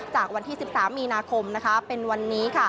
จากวันที่๑๓มีนาคมเป็นวันนี้